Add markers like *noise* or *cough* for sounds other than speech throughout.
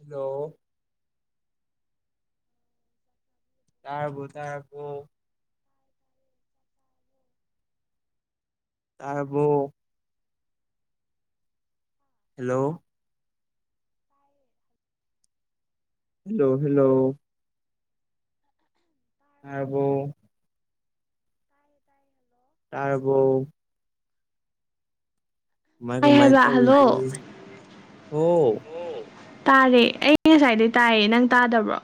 hello ꯇꯥꯔꯕꯣ ꯇꯥꯔꯕꯣ ꯇꯥꯔꯕꯣ ꯍꯜꯂꯣ ꯍꯦꯜꯂꯣ ꯍꯦꯜꯂꯣ ꯉꯥꯔꯕꯣ ꯇꯥꯏꯌꯦ ꯇꯥꯏꯌꯦ ꯍꯜꯂꯣ ꯇꯥꯔꯕꫭ ꯃꯥꯏ ꯀꯃꯥꯏ ꯇꯧꯔꯤꯒꯦ ꯍꯣ ꯇꯥꯔꯦ ꯑꯩ ꯉꯁꯥꯏꯗꯩ ꯇꯥꯏꯌꯦ ꯅꯪ ꯇꯥꯗꯕ꯭ꯔꯣ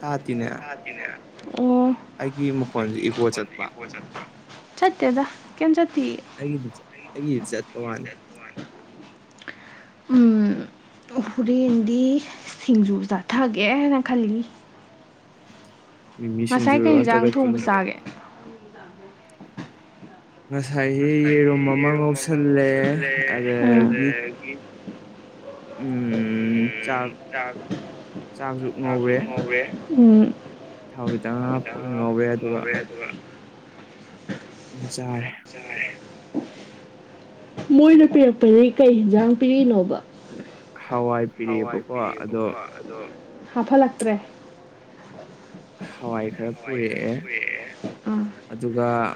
ꯇꯥꯇꯤꯅꯦ ꯑꯣ ꯑꯩꯒꯤ ꯃꯈꯣꯟꯖꯦ ꯏꯒꯣ ꯆꯠꯄ ꯆꯠꯇꯦꯗ ꯀꯩꯝ ꯆꯠꯇꯤꯌꯦ ꯑꯩꯒꯤꯗꯤ ꯆꯠ ꯑꯩꯒꯤꯗꯤ ꯆꯠꯄ ꯋꯥꯅꯦ ꯎꯝ ꯍꯨꯔꯦꯟꯗꯤ ꯁꯤꯡꯖꯨ ꯆꯥꯊꯒꯦꯅ ꯈꯜꯂꯤꯅꯤ ꯉꯁꯥꯏ ꯀꯩ ꯍꯦꯟꯖꯥꯡ ꯊꯣꯡꯕ ꯆꯥꯒꯦ ꯉꯁꯥꯏꯒꯤ ꯌꯦꯔꯨꯝ ꯑꯃ ꯉꯧꯁꯤꯜꯂꯦ ꯎꯝ ꯑꯗꯨꯗꯒꯤ ꯎꯝ ꯆꯥꯛ ꯆꯥꯛꯖꯨ ꯉꯧꯔ‌ꯦ ꯎꯝ ꯊꯥꯎ ꯇꯪꯥ ꯍꯥꯞꯄꯒ ꯉꯧꯔꯦ ꯑꯗꯨꯒ ꯒ ꯎꯝ ꯆꯥꯔꯦ ꯃꯣꯏꯅ ꯄꯤꯔꯛꯄꯗꯒꯤ ꯀꯩ ꯌꯦꯟꯖꯥꯡ ꯄꯤꯔꯛꯏꯅꯣꯕ ꯍꯋꯥꯏ ꯄꯤꯔꯛꯑꯦꯕꯀꯣ ꯑꯗꯣ ꯍꯥꯞꯍꯜꯂꯛꯇ꯭ꯔꯦ ꯍꯋꯥꯏ ꯈꯔ ꯄꯨꯔꯛꯑꯦ ꯑ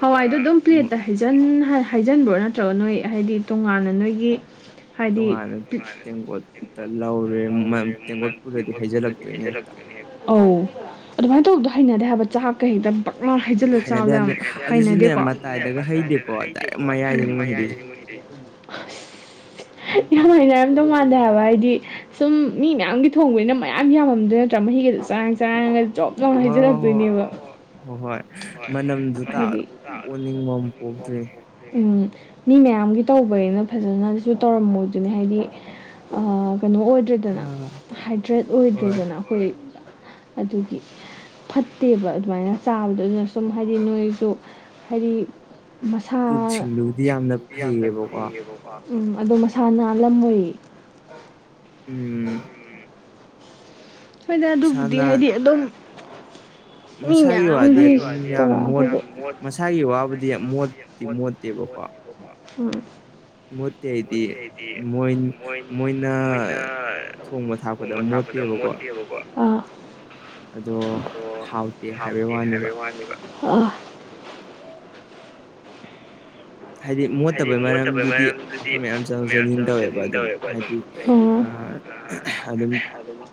ꯍꯋꯥꯏꯗꯨ ꯑꯗꯨꯝ ꯄꯤꯔꯠꯗ ꯔꯤꯖꯟ ꯍꯩꯖꯤꯟꯕ꯭ꯔꯣ ꯅꯠꯇ꯭ꯔꯒ ꯅꯣꯏ ꯍꯥꯏꯗꯤ ꯇꯣꯉꯥꯟꯅ ꯅꯣꯏꯒꯤ ꯍꯥꯏꯗꯤ ꯄꯤꯛꯈꯤ ꯂꯧꯔꯦ *unintelligible* ꯇꯦꯡꯒꯣꯠꯄꯨꯔꯗꯗꯤ ꯍꯥꯏꯖꯤꯜꯂꯛꯇꯣꯏꯅꯦ ꯍꯦꯛꯇ ꯑꯧ ꯑꯗꯨꯃꯥꯏꯅ ꯇꯧꯕꯗꯣ ꯍꯩꯅꯗꯦ ꯍꯥꯏꯕ ꯆꯥꯛ ꯀꯩ ꯍꯦꯛꯇ ꯄꯛꯅ ꯍꯩ ꯗꯨꯅ ꯆꯥꯕꯗꫭ ꯌꯥꯝ ꯍꯩꯅꯗꯦꯀꯣ ꯑꯌꯥꯝ ꯍꯥꯏꯅꯔꯝꯗꯧ ꯃꯥꯟꯗ ꯍꯥꯏꯕ ꯍꯥꯏꯗꯤ ꯁꯨꯝ ꯃꯤ ꯃꯌꯥꯝꯒꯤ ꯊꯣꯡꯕꯅꯤꯅ ꯃꯌꯥꯝ ꯌꯥꯝꯃꯝꯗꯣꯏ ꯅꯠꯇ꯭ꯔꯥ ꯃꯍꯤꯒꯗꯨ ꯆꯔꯥꯡ ꯆꯔꯥꯡꯉꯒ ꯆꯣꯞ ꯍꯩꯖꯔꯛꯇꯣꯏꯅꯦꯕ ꯍꯦꯗꯤ *unintelligible* ꯎꯝ ꯃꯤ ꯃꯌꯥꯝꯒꯤ ꯇꯧꯕꯅꯤꯅ ꯐꯖꯅꯁꯨ ꯇꯧꯔꯝꯃꯣꯏꯗꯨꯅꯦ ꯍꯥꯏꯗꯤ ꯀꯩꯅꯣ ꯑꯣꯏꯗ꯭ꯔꯤꯗꯅ ꯍꯥꯏꯗ꯭ꯔꯦꯠ ꯑꯣꯏꯗ꯭ꯔꯤꯗꯅ ꯑꯩꯈꯣꯏ ꯑꯗꯨꯒꯤ ꯐꯠꯇꯦꯕ ꯑꯗꯨꯃꯥꯏꯅ ꯆꯥꯕꯗ ꯑꯗꯨꯅ ꯁꯨꯝ ꯍꯥꯏꯗꯤ ꯅꯣꯏꯁꯨ ꯍꯥꯏꯗꯤ ꯃꯁꯥꯁꯤꯡ ꯌꯥꯝꯅ ꯐ‌ꯩꯌ‌ꯦꯕ ꯎꯝ ꯑꯗꯣ ꯃꯁꯥ ꯅꯥꯟ ꯂꯝꯃꫭꯏꯌ‌ꯦ ꯎꯝ ꯑꯩꯈꯣꯏꯅ ꯑꯗꯨꯕꯨꯗꯤ ꯍꯥꯏꯗꯤ ꯑꯗꯨꯝ ꯃꯤꯃꯌꯝ *unintelligible* *unintelligible* ꯃ‌ꯣꯠꯇ‌ꯦꯗꯤ ꯃꯣꯏ ꯃꯣꯏꯅꯥ ꯊꯣꯡꯕ ꯊꯥꯛꯄꯗ ꯃꯣꯠꯇꯦꯕꯀꯣ ꯑꯗꯣ ꯍꯥꯎꯇꯦ ꯍꯥꯏꯕꯩ ꯋꯥꯅꯦꯕ *unintelligible* ꯍꯥꯏꯗꯤ ꯃꯣꯠꯇꯕꯩ ꯃꯔꯝꯗꯨꯗꯤ ꯑꯩꯈꯣꯏ ꯃꯌꯥꯝ ꯆꯪꯊ ꯆꯅꯤꯡ ꯇꯧꯋꯦꯕ ꯑꯗꯨꯝ ꯍꯥꯏꯗꯤ ꯑ ꯑꯗꯨꯝ ꯑꯗꯨ ꯃꯥ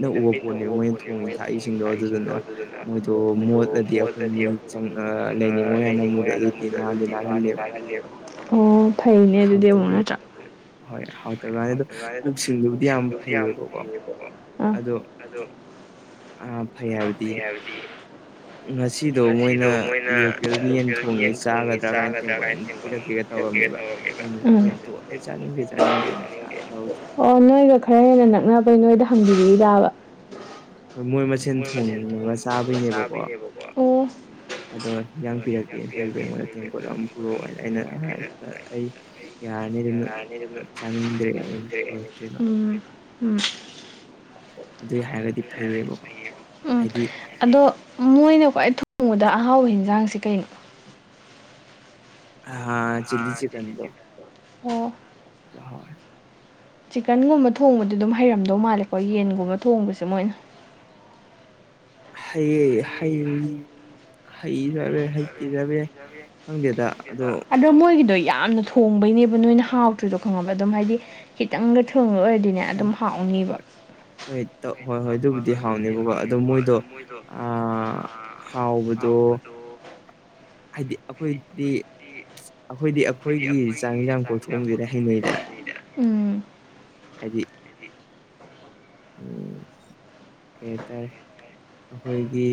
ꯑꯣꯏꯅ ꯃꯤꯠꯅ ꯎꯕ ꯄꯣꯠꯅꯦꯕ ꯃꯣꯏꯣꯡ ꯊꯥꯛ ꯏꯁꯤꯡꯗꯣ ꯑꯗꯨꯗꯨꯅ ꯃꯣꯏꯗꯣ ꯃꯣꯜꯂꯗꯤ ꯂꯩꯅꯤꯡꯉꯣꯏ ꯍꯥꯏꯅ ꯃꯨꯗꯨ ꯇꯍꯟꯕ ꯊꯩꯔꯨꯅꯦ ꯑꯗꯨꯗꯤ ꯑꯃꯨꯛ ꯅꯠꯇ꯭ꯔ ꯑꯗꯨꯃꯥꯏꯅ ꯑꯗꯨꯝ ꯄꯨꯛ ꯁꯤꯡꯕꯗꯤ ꯌꯥꯝ ꯐꯩꯌꯦꯕꯀꯣ ꯑꯥ ꯑꯗꯣ ꯑ ꯐꯩ ꯍꯥꯏꯕꯗꯤ ꯉꯁꯤꯗꯣ ꯃꯣꯏꯅ ꯂꯣꯀꯦꯜ ꯌꯦꯟ ꯊꯣꯡꯉꯦ ꯆꯥꯒꯗ꯭ꯔꯥ ꯄꯤꯔ ꯀꯥꯏꯅ ꯇꯦꯡꯀꯣ ꯑꯃꯝ ꯄꯤꯔꯛꯈꯤꯒꯦ ꯇꯧꯔꯝꯃꯤꯕ ꯑꯩꯅ ꯑ ꯑꯩ ꯆꯥꯅꯤꯡꯗꯦ ꯆꯥꯅꯤꯡꯗꯦ ꯑꯩꯅ ꯑꯣ ꯅꯣꯏꯒ ꯈꯔ ꯍꯦꯟꯅ ꯅꯛꯅꯕꯩ ꯅꯣꯏꯗ ꯍꯪꯕꯤꯔꯤꯔꯕ *unintelligible* ꯑ‌ꯣ ꯑꯗꯣ ꯍꯤꯖꯡꯕꯤꯔꯛꯀꯦ ꯇꯕ ꯑꯩꯉꯣꯟꯗ ꯇ‌ꯦꯡꯕꯣꯠ ꯑꯃ ꯄꯨꯔꯛꯑꯣ ꯍꯥꯏꯅ ꯑꯩꯅ ꯑꯩ ꯌꯥꯔꯅꯤ ꯑꯗꯨꯝ ꯆꯥꯅꯤꯡꯗ꯭ꯔꯦ ꯄꯨꯔꯛꯇ꯭ꯔ‌ꯦ ꯎꯝ ꯑꯗꯣ ꯃꯣꯏꯅ ꯈ꯭ꯋꯥꯏ ꯊꯣꯡꯕꯗ ꯑꯍꯥꯎꯕ ꯍꯟꯖꯥꯡꯁꯤ ꯀꯩꯅꯣ ꯑꯍꯥ *unintelligible* *unintelligible* ꯆꯤꯛꯀꯟꯒꯨꯝꯕ ꯊꯣꯡꯕꯗꯤ ꯑꯗꯨꯝ ꯍꯩꯔꯝꯗꯧ ꯃꯥꯜꯂꯦꯀꯣ ꯌꯦꯟꯒꯨꯝꯕ ꯊꯣꯡꯕꯁꯦ ꯃꯣꯏꯅ ꯍꯩꯌꯦ ꯍꯩ ꯍꯩꯖꯨ ꯍꯥꯏꯕ ꯌꯥꯏ ꯍꯩꯇꯦꯖꯨ ꯍꯥꯏꯕ ꯌꯥꯏ ꯈꯪꯗꯦꯗ ꯑꯗꯣ ꯃꯣꯏꯒꯤꯗꯣ ꯌꯥꯝꯅ ꯊꯣꯡꯕꯩꯅꯦꯕ ꯅꯣꯏꯅ ꯍꯥꯎꯇ꯭ꯔꯤꯗꯣ ꯈꯪꯉꯕ ꯑꯗꯨꯝ ꯍꯥꯏꯗꯤ ꯈꯤꯇꯪꯒ ꯊꯣꯡꯕ ꯑꯣꯏꯔꯗꯤꯅꯦ ꯑꯗꯨꯝ ꯍꯥꯎꯅꯤꯕ *unintelligible* ꯗꯣ ꯍꯥꯏꯗꯤ ꯑꯈꯣꯏꯗꯤ ꯑꯈꯣꯏꯗꯤ ꯑꯞ *unintelligible* ꯍꯥꯏꯗꯤ ꯎꯝ ꯀꯩ ꯍꯥꯏꯇꯥꯔ‌ꯦ ꯑꯈꯣꯏ ꯒꯤ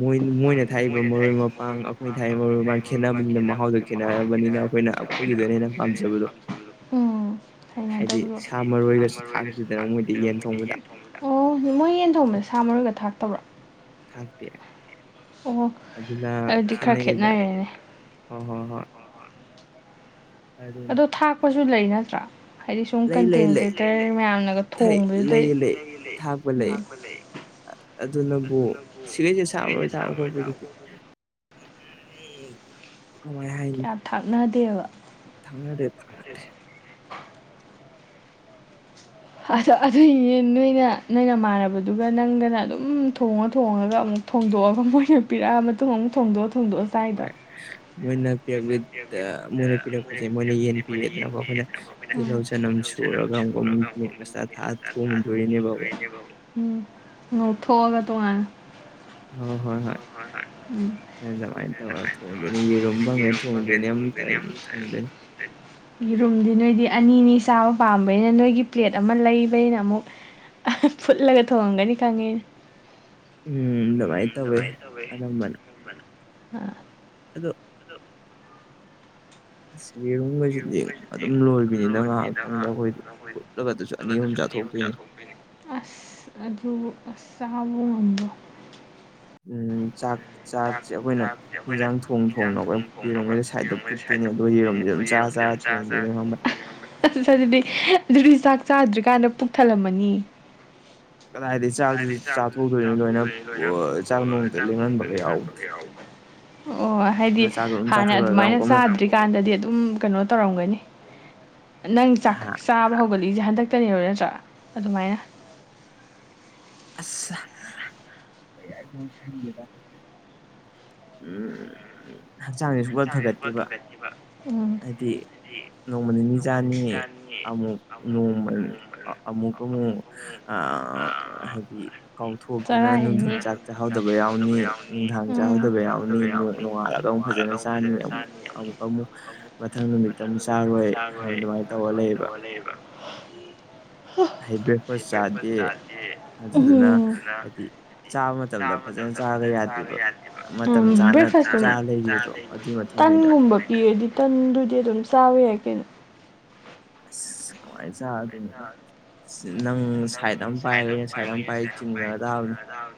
ꯃꯣꯏꯅ ꯃꯣꯏꯅ ꯊꯥꯛꯏꯕ ꯃꯔꯣꯏ ꯃꯄꯥꯡ ꯑꯈꯣꯏꯅ ꯊꯥꯛꯏꯕ ꯃꯔꯣꯏ ꯃꯄꯥꯡ ꯈꯦꯠꯅꯕꯅꯤꯅ ꯃꯍꯥꯎꯗ ꯈꯦꯠꯅꯔꯕꯅꯤꯅ ꯑꯈꯣꯏꯅ ꯑꯈꯣꯏꯒꯤꯗꯅ ꯄꯥꯝꯖꯕꯗꯣ ꯍꯥꯏꯗꯤ ꯁꯥ ꯃꯔꯣꯏꯒꯁꯨ ꯊꯥꯛꯇꯤꯗꯥꯔ ꯃꯣꯏꯗꯤ ꯌꯦꯟ ꯊꯣꯡꯕꯗ ꯑꯣ ꯃꯣꯏ ꯌꯦꯟ ꯊꯣꯡꯕꯗ ꯁꯥ ꯃꯔꯣꯏꯒ ꯊꯥꯛꯇꯕ꯭ꯔꯣ ꯊꯥꯛꯇꯦ ꯑꯗꯨꯅ ꯈꯦꯅꯩꯌꯦꯗ ꯍꯣꯏ ꯍꯣꯏ ꯍꯣꯏ ꯑꯗꯣ ꯊꯥꯛꯄꯁꯨ ꯂꯩ ꯅꯠꯇ꯭ꯔꯥ ꯍꯥꯏꯗꯤ ꯁꯨꯝ ꯀꯟꯇꯦꯟ ꯀ꯭ꯔꯤꯌꯦꯇꯔ ꯃꯌꯥꯝꯅꯒ ꯊꯣꯡꯕꯗꯨꯗꯩ ꯎꯝ ꯑꯗꯨꯅꯕꯨ ꯁꯤꯒꯩꯖꯤꯗ ꯁꯥ ꯃꯔꯣꯏ ꯊꯥꯛꯄ ꯈꯣꯠꯄꯗꯨꯗꯤ *unintelligible* ꯊꯥꯛꯅꯗꯦꯕ ꯊꯥꯛꯅꯗꯦ ꯇꯥꯛꯅꯗ‌ꯦ ꯑꯗꯣ ꯑꯗꯨꯏꯅꯤꯅꯦ ꯅꯣꯏꯅ ꯅꯣꯏ ꯅꯃꯥꯟꯅꯕꯗꯨꯒ ꯅꯪꯒꯅ ꯑꯗꯨꯝ ꯊꯣꯡꯉ ꯊꯣꯡꯉꯒ ꯑꯃꯨꯛ ꯊꯣꯡꯗꯣꯛꯑꯒ ꯃꯣꯏꯅ ꯄꯤꯔꯛꯑ ꯃꯇꯨꯡ ꯑꯃꯨꯛ ꯊꯣꯡꯗꯣꯛꯑꯣ ꯊꯣꯡꯗꯣꯛꯑꯣ ꯆꯥꯏꯗꯣ ꯃꯣꯏꯅ *unintelligible* *unintelligible* ꯎꯝ ꯉꯧꯊꯣꯛꯑꯒ ꯇꯣꯡꯉꯥꯟꯅ ꯍꯣ ꯍꯣꯏ ꯍꯣꯏ ꯍꯣꯏ ꯑꯗꯨꯃꯥꯏꯟ ꯇꯧꯔꯒ ꯊꯣꯡꯗꯣꯏꯅꯦ ꯌꯦꯔꯨꯝ *unintelligible* *unintelligible* ꯌꯦꯔꯨꯝꯗꯤ ꯅꯣꯏꯗꯤ ꯑꯅꯤ ꯑꯅꯤ ꯆꯥꯕ ꯄꯥꯝꯕꯅꯤꯅ ꯅꯣꯏꯒꯤ ꯄ꯭ꯂꯦꯠ ꯑꯃ ꯂꯩꯕꯅꯤꯅ ꯑꯃꯨꯛ ꯐꯨꯠꯂꯒ ꯊꯣꯡꯉꯝꯒꯅꯤ ꯈꯪꯉꯦ ꯑꯩꯅ ꯎꯝ ꯑꯗꯨꯃꯥꯏꯟ ꯇꯧꯋꯦ ꯑꯅꯝꯕꯅ ꯑꯗꯣ ꯑꯁ ꯌ‌ꯦꯔꯨꯝꯒꯖꯤꯗꯤ ꯑꯗꯨꯝ ꯂꯣꯏꯕꯤꯅꯤꯗ ꯉꯥꯏꯍꯥꯛꯇꯪꯗ ꯑꯈꯣꯏꯗꯤ ꯐꯨꯠꯂꯒꯗꯖꯨ ꯑꯅꯤ ꯑꯍꯨꯝ ꯆꯥꯊꯣꯛꯇꯣꯏꯅꯤ ꯑꯁ ꯑꯗꯨꯕꯨ ꯑꯁ ꯆꯥꯕꯨ ꯉꯝꯕ꯭ꯔꯣ ꯎꯝ ꯆꯥꯛ ꯆꯥꯛꯁꯦ ꯑꯈꯣꯏꯅ ꯍꯤꯟꯖꯥꯡ ꯊꯣꯡ ꯊꯣꯡꯅ ꯑꯈꯣꯏ ꯌꯦꯔꯨꯝꯒꯖꯦ ꯁꯥꯏꯠꯇ ꯐꯨꯠꯇꯣꯏꯅꯦ ꯑꯗꯨꯒ ꯌꯦꯔꯨꯝꯖꯦ ꯑꯗꯨꯝ ꯆꯥꯔ ꯆꯥꯔ ꯊꯣꯡꯗꯣꯏꯅꯦ ꯈꯪꯕ꯭ꯔꯥ ꯑꯁ ꯑꯗꯨꯗꯤ ꯑꯗꯨꯗꯤ ꯆꯥꯛ ꯆꯥꯗ꯭ꯔꯤꯀꯥꯟꯗ ꯄꯨꯛ ꯊꯜꯂꯝꯃꯅꯤ ꯀꯗꯥꯏꯗꯩ ꯆꯥꯕꯗꯨꯖꯨ ꯆꯥꯊꯣꯛꯇꯣꯏꯅꯤ ꯂꯣꯏꯅ ꯄꯨ ꯆꯥꯛ ꯅꯣꯡꯇ ꯂꯦꯝꯍꯟꯕ ꯑꯣ ꯍꯥꯏꯗꯤ ꯍꯥꯟꯅ ꯑꯗꯨꯃꯥꯏꯅ ꯆꯥ ꯗ꯭ꯔꯤ ꯀꯥꯟꯗꯗꯤ ꯑꯗꯨꯝ ꯀꯩꯅꯣ ꯇꯧꯔꯝꯒꯅꯤ ꯅꯪ ꯆꯥꯛ ꯆꯥꯕ ꯍꯧꯒꯠ ꯔꯤꯖꯦ ꯍꯟꯗꯛꯇꯅꯦꯕ ꯅꯠꯇ꯭ꯔꯥ ꯑꯗꯨꯃꯥꯏꯅ ꯑꯁ ꯍ ꯀꯩ ꯍꯥꯏꯗꯣꯅꯣ ꯈꯪꯗꯦꯗ ꯎꯝ ꯍꯛꯆꯥꯡꯖꯦ ꯁꯨꯐꯠ ꯐꯒꯠꯇꯦꯕ ꯍꯥꯏꯗꯤ ꯅꯣꯡꯃ ꯅꯤꯅꯤ ꯆꯥꯅꯤ ꯑꯃꯨꯛ ꯅꯣꯡꯃꯟ ꯑꯃꯨꯛ ꯑꯃꯨꯛ ꯑꯥ ꯍꯥꯏ ꯀꯥꯎꯊꯣꯛꯇꯅ ꯅꯨꯡꯙꯤꯟ ꯆꯥꯛ ꯆꯥꯍꯧꯗꯕ ꯌꯥꯎꯅꯤ ꯅꯨꯡꯗꯥꯡ ꯆꯥꯍꯧꯗꯕ ꯌꯥꯎꯅꯤ ꯅꯣꯡ ꯅꯣꯡꯉꯜꯂꯒ ꯑꯃꯨ ꯐꯅ ꯆ *inaudible* ꯐꯖꯅ ꯆꯥꯅꯤꯡꯉꯤ ꯑꯃꯨꯛ ꯑꯃꯨꯛ ꯃꯊꯪ ꯅꯨꯃꯤꯠꯇ ꯑꯃꯨꯛ ꯆꯥꯔꯣꯏ ꯑꯗꯨꯃꯥꯏꯅ ꯇꯧꯔ ꯂꯩꯌꯦꯕ *unintelligible* *unintelligible* ꯇꯟꯒꯨꯝꯕ ꯄꯤꯔꯗꯤ ꯇꯟꯗꯨꯗꯤ ꯑꯗꯨꯝ ꯆꯥꯕ ꯋꯥꯏ ꯀꯩꯅꯣ ꯏꯁ ꯀꯃꯥꯏ ꯆꯥ *unintelligible* ꯅꯪ ꯁꯥꯏꯗꯄ ꯁꯥꯏꯗꯄ ꯍꯥꯏꯤꯟ ꯑꯗꯥꯎ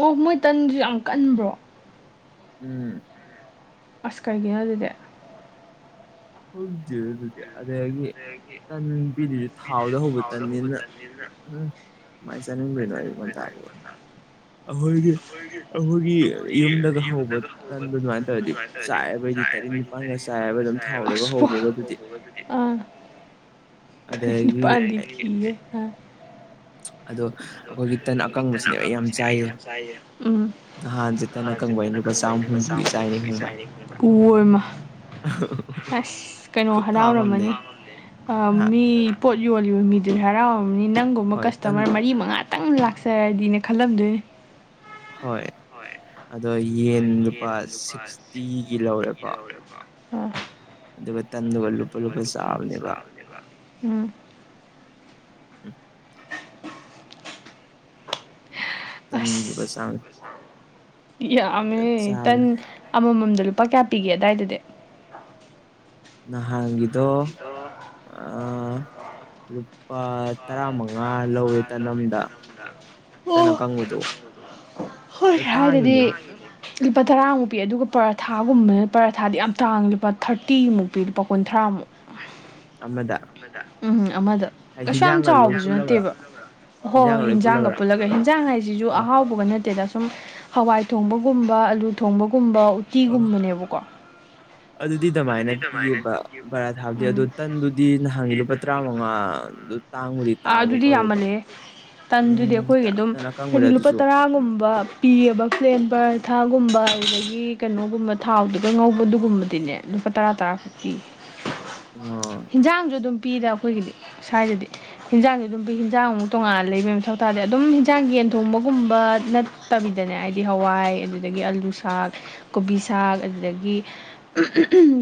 ꯑꯣ ꯃꯣꯏ ꯇꯟꯁꯨ ꯌꯥꯝ ꯀꯟꯕ꯭ꯔꯣ ꯎꯝ ꯑꯁ ꯀꯩꯒꯤ ꯍꯥꯏꯕ ꯚꯥꯏ ꯍꯧꯗꯦꯅꯦ ꯑꯗꯨꯗꯤ ꯑꯗꯨꯗꯒꯤ ꯇꯟꯕꯤꯗꯨꯁꯨ ꯊꯥꯎꯗ ꯍꯧꯕ ꯇꯟꯅꯤꯅ ꯎꯝ ꯃꯥꯏ ꯆꯥꯅꯤꯡꯗꯣꯏꯅꯣ ꯑꯌꯨꯛ ꯉꯟꯇꯥꯗꯕꯨ ꯑꯈꯣꯏꯒꯤ ꯑꯈꯣꯏꯒꯤ ꯌꯨꯝꯗꯒ ꯍꯧꯕ ꯇꯟꯗꯣ ꯗꯨꯃꯥꯏ ꯇꯧꯔꯗꯤ ꯆꯥꯏꯕꯩꯗꯤ ꯇꯔꯦꯠ ꯅꯤꯄꯥꯜꯒ ꯆꯥꯏꯕ ꯑꯗꯨꯝ ꯊꯥꯎꯔꯒ ꯍꯧꯕꯒꯗꯨꯗꯤ ꯊꯣꯏꯅ ꯄꯥꯏꯕꯗꯤ ꯀꯤꯌꯦ ꯑꯗꯣ ꯑꯩꯈꯣꯏꯒꯤ ꯇꯟ ꯑꯀꯪꯕꯁꯤꯅꯦꯕ ꯑꯩ ꯌꯥꯝ ꯆꯥꯏꯖꯦ ꯅꯍꯥꯟꯖꯤ ꯇꯟ ꯑꯀꯪꯕ ꯑꯩꯅ ꯂꯨꯄꯥ ꯆꯥꯝ ꯍꯨꯝꯐꯨꯒꯤ ꯆꯥꯏꯅꯤ ꯈꯪꯕ꯭ꯔꯥ ꯍꯁ ꯀꯩꯅꯣ ꯍꯔꯥꯎꯔꯝꯃꯅꯤ ꯃꯤ ꯑꯥ ꯄꯣꯠ ꯌꯣꯜꯂꯤꯕ ꯃꯤꯗꯨꯅꯤ ꯍꯔꯥꯎ ꯅꯤ ꯅꯪꯒꯨꯝꯕ ꯀꯁꯇꯃꯔ ꯃꯔꯤ ꯃꯉꯥꯇꯪ ꯂꯥꯛꯆꯔꯗꯤꯅꯦ ꯈꯜꯂꯝꯗꯣꯏꯅꯦ ꯍꯣꯏ ꯑꯗꯣ ꯌꯦꯟ ꯂꯨꯄꯥ ꯁꯤꯛꯁꯇꯤꯒꯤ ꯂꯧꯔꯦꯀꯣ ꯑꯥ ꯑꯗꯨꯒ ꯇꯟꯗꯨꯒ ꯂꯨꯞꯄ ꯂꯨꯞꯄ ꯆꯥꯕꯅꯦꯕ ꯎꯝ ꯆꯟꯕꯁ ꯌꯥꯝꯃꯦ ꯇꯟ ꯑꯃꯃꯝꯗ ꯂꯨꯄꯥ ꯀꯌꯥ ꯄꯤꯒꯦ ꯑꯗꯨꯋꯥꯏꯗꯗꯤ ꯅꯍꯥꯟꯒꯤꯗꯣ ꯂꯨꯄꯥ ꯇꯔꯥꯃꯉꯥ ꯃꯥ ꯂꯧꯋꯦ ꯇꯅꯝꯗ ꯑꯣ ꯍꯣꯏ ꯍꯥꯏꯔꯗꯤ ꯂꯨꯄꯥ ꯇꯔꯥꯃꯨꯛ ꯄꯤ ꯑꯗꯨꯒ ꯄꯔꯥꯊꯥꯒꯨꯝꯕꯅ ꯄꯔꯥꯊꯥꯗꯤ ꯌꯥꯝ ꯇꯥꯡꯉ ꯂꯨꯄꯥ ꯊꯥꯔꯇꯤꯃꯨꯛ ꯄꯤ ꯂꯨꯄꯥ ꯀꯨꯟꯊ꯭ꯔꯥꯃꯨꯛ *unintelligible* ꯑꯃꯗ ꯎꯝ ꯑꯃꯗ ꯍꯤꯖꯥꯡꯒꯜ ꯂꯣ ꯍꯣꯏꯟꯥꯡꯒ ꯄꯨꯒ ꯁꯤꯁꯨ ꯑꯍꯥꯎꯕꯒ ꯅꯠꯇꯦꯗ ꯁꯨꯝ ꯍꯋꯥꯏ ꯊꯣꯡꯕꯒꯨꯝꯕ ꯑꯂꯨ ꯊꯣꯡꯕꯒꯨꯝꯕ ꯇꯤꯒꯨꯝꯕꯅꯦꯕꯀꯣ ꯑꯗꯨꯗꯤ ꯑꯗꯨꯃꯥꯏꯅ ꯄꯤꯑꯕ ꯕꯔꯥ ꯊꯥꯕꯗꯤ ꯑꯗꯨꯣ ꯇꯟꯗꯨꯗꯤ ꯅꯍꯥꯟꯒꯤ ꯂꯨꯄꯥ ꯇꯔꯥꯃꯉꯥ ꯑꯗꯨ ꯇꯥꯡ ꯑꯥ ꯑꯗꯨꯗꯤ ꯌꯥꯝꯃꯜꯂꯦ ꯇꯟꯗꯨꯗꯤ ꯑꯩꯈꯣꯏꯒꯤ ꯑꯗꯨꯝ ꯍꯥꯏꯗꯤ ꯂꯨꯄꯥ ꯇꯔꯥꯒꯨꯝꯕ ꯄꯤꯑꯦꯕ ꯄ꯭ꯂꯦꯟ ꯄꯔꯥꯊꯥꯒꯨꯝꯕ ꯑꯗꯨꯗꯒꯤ ꯀꯩꯅꯣꯒꯨꯝꯕ ꯊꯥꯎꯗꯨꯗ ꯉꯧꯕꯗꯨꯒꯨꯝꯕꯗꯤꯅꯦ ꯂꯨꯄꯥ ꯇꯔꯥ ꯇꯔꯥ ꯈꯛꯀꯤ *unintelligible* ꯏꯟꯖꯥꯡꯖꯨ ꯑꯗꯨꯝ ꯄꯤꯗ ꯑꯈꯣꯏꯒꯤꯗꯤ ꯁꯥꯏꯗꯗꯤ ꯍꯤꯟꯖꯥꯡꯁ ꯑꯗꯨꯝ ꯍꯤꯟꯖꯥꯡꯃꯨꯛ ꯇꯣꯡꯉꯥꯟꯅ ꯂꯩꯕ ꯃꯊꯧ ꯇꯥꯔꯗꯤ ꯑꯗꯨꯝ ꯍꯤꯟꯖꯥꯡ ꯌꯦꯟ ꯊꯣꯡꯕꯒꯨꯝꯕ ꯇꯝꯕꯤꯗꯅꯦ ꯍꯥꯏꯕꯗꯤ ꯍꯋꯥꯏ ꯑꯗꯨꯗꯒꯤ ꯑꯂꯨ ꯁꯥꯛ ꯀꯣꯕꯤ ꯁꯥꯛ ꯑꯗꯨꯗꯒꯤ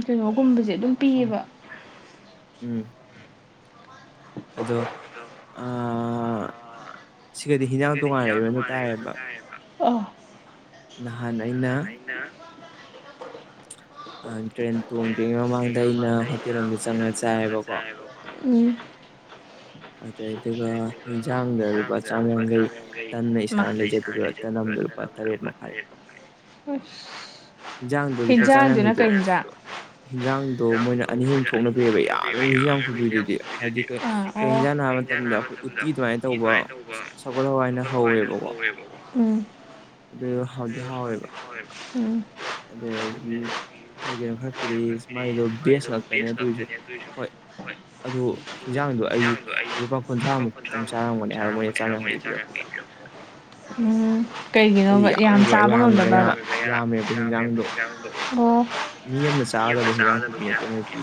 ꯀꯩꯅꯣꯒꯨꯝꯕꯁꯦ ꯑꯗꯨꯝ ꯎꯝ ꯎꯝ ꯑꯗꯣ ꯑꯥ ꯁꯤ ꯀꯗꯤ ꯍ ꯌꯥꯎ ꯇꯣꯉꯥꯟꯅ ꯂꯩꯕ ꯑꯗꯨ ꯇꯥꯏꯌꯦꯕ ꯑꯣ ꯅꯍꯥꯟ ꯑꯩꯅ ꯇ꯭ꯔꯦꯟ ꯇꯣꯡꯗ꯭ꯔꯤꯉꯩ ꯃꯃꯥꯡꯗ ꯑꯩꯅ ꯍꯣꯇꯦꯜ ꯑꯃꯝꯗ ꯆꯪꯉ ꯆꯥꯏꯑꯌꯦꯕꯀꯣ ꯎꯝ ꯃꯒꯖꯥꯡꯗꯨꯕ ꯆꯥꯡꯪ ꯍꯣꯏ ꯇꯟꯅ ꯏꯁꯥꯅ ꯂꯩꯖꯗꯨꯏꯕ ꯇꯟ ꯑꯃꯗ ꯂꯨꯄꯥ ꯇꯔꯦꯠ ꯃꯈꯥꯏ ꯌꯦꯟꯖꯥꯡꯗꯣ ꯂꯨꯄꯥ ꯆꯥꯃꯡꯈꯩꯗꯣ ꯍꯤꯟꯖꯥꯡꯗꯣ ꯃꯣꯏꯅ ꯑꯅꯤ ꯑꯍꯨꯝ ꯊꯣꯛꯅ ꯄꯑꯦꯕ ꯌꯥꯝꯃꯦꯕ ꯍꯤꯟꯖꯥꯡ ꯈꯨꯕꯤꯗꯨꯗꯤ ꯍꯥꯏꯕꯗꯤ ꯀꯩ ꯀꯩ ꯍꯟꯖꯥꯡꯅꯅꯥ ꯍꯥꯏꯕ ꯃꯇꯝꯗ ꯑꯩꯈꯣꯏ ꯎꯠꯇꯤ ꯑꯗꯨꯃꯥꯏꯅ ꯇꯧꯕ ꯍꯧꯒꯠ ꯍꯋꯥꯏꯅ ꯍꯧꯋꯦꯕꯀꯣ ꯑꯗꯨ *unintelligible* ꯑꯗꯒꯤ ꯀꯔꯤꯒꯔꯤꯅꯣ ꯈꯔ ꯄꯤꯔꯛꯏ ꯃꯥꯥꯏꯗꯣ ꯕꯦꯁ ꯉꯥꯛꯇꯅꯦ ꯑꯗꯨꯏꯁꯨ ꯍꯣꯏ ꯑꯗꯨ ꯍꯤꯟꯖꯥꯡꯗꯣ ꯑꯩꯗꯤ ꯂꯨꯄꯥ ꯀꯨꯟꯊ꯭ꯔꯥꯃꯨꯛ ꯈꯛꯇꯪ ꯆꯥꯔꯝꯒꯅꯤ ꯍꯥꯏꯕ ꯃꯣꯏꯅ ꯆꯥꯝꯌꯥꯡꯈꯩꯒꯤ ꯄꯤꯔꯛꯄꯗ ꯎꯝ ꯀꯩꯒꯤꯅꯣꯕ ꯌꯥꯝ ꯆꯥꯕ ꯉꯝꯗꯕ꯭ꯔꯕ *unintelligible* ꯃꯤ ꯑꯅ ꯆꯥꯗꯍꯤꯔ ꯄꯣꯏ ꯄꯤ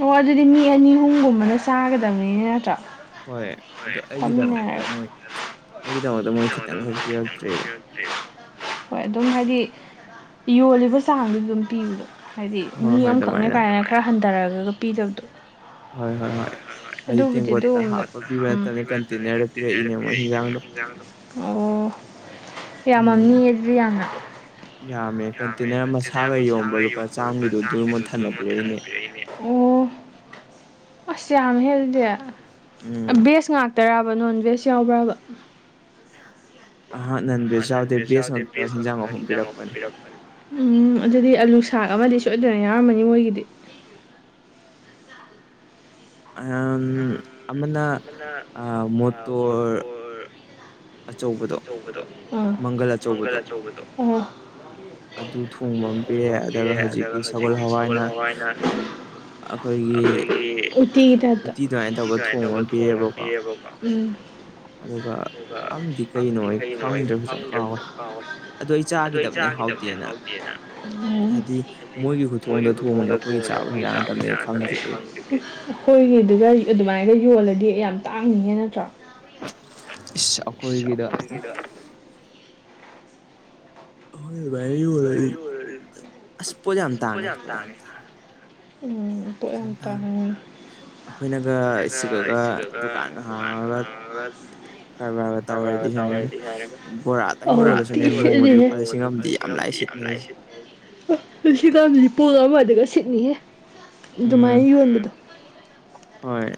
ꯑꯣ ꯑꯗꯨꯗꯤ ꯃꯤ ꯑꯅꯤ ꯑꯍꯨꯝꯒꯨꯝꯕꯅ ꯆꯥꯒꯗꯝꯅꯤꯅꯦ ꯅꯠꯇ꯭ꯔ ꯍꯣꯏ ꯑꯗꯨ ꯑꯩꯒꯤꯗꯃꯛꯇ ꯃꯣꯏ ꯑꯩꯒꯤꯗꯃꯛꯇ ꯃꯣꯏ ꯈꯤꯇꯪ ꯈꯛ ꯄꯤꯔꯛꯇ꯭ꯔꯦꯕ ꯍꯣꯏ ꯑꯗꯨꯝ ꯍꯥꯏꯗꯤ ꯌꯣꯜꯂꯤꯕ ꯆꯥꯡꯗꯨ ꯑꯗꯨꯝ ꯄꯤꯕꯗꯣ ꯍꯥꯏꯗꯤ ꯃꯤ ꯑꯝꯈꯛꯅꯦ ꯀꯥꯏꯅ ꯈꯔ ꯍꯟꯊꯔꯛꯑꯒꯒ ꯄꯤꯗꯕꯗꯣ ꯍꯣꯏ ꯍꯣꯏ ꯍꯣꯏ ꯍꯥꯏꯗꯤ ꯇꯦꯡꯀꯣꯠꯇ ꯍꯥꯞꯄ ꯄꯤꯕ ꯅꯠꯇꯕꯅꯤ ꯀꯟꯇꯦꯅꯔꯗ ꯄꯤꯔꯛꯏꯅꯦ ꯃꯣꯏ ꯍꯟꯖꯥꯡꯗꯣ ꯑꯣ ꯌꯥꯝꯃꯝꯅꯤꯌꯦ ꯑꯗꯨꯗꯤ ꯌꯥꯝꯅ ꯌꯥꯝꯃꯦ ꯅꯠꯇꯦꯗ ꯃꯁꯥꯅ ꯌꯣꯝꯕ ꯂꯨꯄꯥ ꯆꯥꯝꯒꯤꯗꯨ ꯗꯨꯃ ꯊꯟꯅ ꯄꯤꯔꯛꯏꯅꯦ ꯑꯣ ꯑꯁ ꯌꯥꯝꯃꯦꯍꯦ ꯑꯗꯨꯗꯤ ꯑꯕꯦꯁꯅꯥ ꯄꯦꯔꯥꯕ ꯅꯣꯟꯕꯦꯖ ꯌꯥꯎꯕ꯭ꯔꯕ ꯍꯁ ꯌꯥꯥꯎꯁ ꯐꯤꯔꯄ ꯎꯝ ꯑꯗꯨꯗꯤ ꯑꯥꯂꯨꯁꯥꯛ ꯑꯃꯗꯤ ꯁꯣꯏꯗꯅ ꯌꯥꯎꯔꯝꯃꯅꯤ ꯃꯣꯏꯒꯤꯗꯤ ꯑꯝ ꯑꯃꯅ ꯑ ꯃꯣꯇꯣꯔ ꯑꯆꯧꯕꯗꯣ ꯃꯪꯒꯜ ꯑꯆꯧꯕꯗꯣ ꯑꯗꯨ ꯊꯣꯡꯕ ꯑꯃ ꯄꯤ ꯑꯗꯨꯒ ꯍꯧꯖꯤꯛꯀꯤ ꯁꯒꯣꯜ ꯍꯋꯥꯏꯅ ꯑꯩꯈꯣꯏꯒꯤ ꯎꯇꯤꯒꯤ ꯇꯇ ꯁꯃꯥꯏꯅ ꯇꯧꯕ ꯊꯣꯉꯛꯇꯦꯕꯀꯣ ꯎꯝ *unintelligible* ꯑꯗꯣ ꯑꯩ ꯆꯥꯈꯤꯗꯕꯗꯤ ꯍꯥꯎꯗꯦꯅꯗꯤ ꯃꯣꯏꯒꯤ ꯍꯧꯣꯡꯗ ꯣꯡꯈꯣꯏ ꯆꯥꯕ ꯀꯪ ꯍꯣꯏꯅꯦ ꯑꯗꯨꯒꯒ ꯑꯗꯨꯃꯥꯏꯅꯒ ꯌꯣꯜꯂꯗꯤ ꯑꯩ ꯌꯥꯝ ꯇꯥꯡꯅꯤꯡꯉꯦ ꯅꯠꯇ꯭ꯔꯣ ꯏꯁ ꯑꯩꯈꯣꯏꯒꯤꯗ ꯑꯪ ꯑꯩꯈꯣꯏꯗ꯭ꯋꯥꯏꯒꯤ ꯑꯣꯏꯔꯗꯤ ꯑꯁ ꯄꯣꯠ ꯌꯥꯝ ꯇꯥꯡꯉꯦ ꯄꯣꯠ ꯌꯥꯝ ꯇꯥꯡ ꯎꯝ ꯄꯣ ꯌꯥꯝ ꯇꯥꯔ ꯃꯣꯏꯅ ꯀꯁꯨ ꯀꯒꯀꯥꯟ ꯇꯉꯗꯤ ꯌꯥꯔꯦ *unintelligible* ꯑꯃꯗꯒ ꯁꯤꯠꯅꯤꯍꯦ ꯑꯗꯨꯃꯥꯏ ꯌꯣꯟꯕꯗꯣ ꯍꯣꯏ